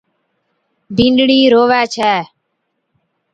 بِينڏڙِي رووي ڇَي